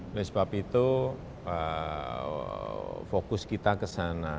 oleh sebab itu fokus kita ke sana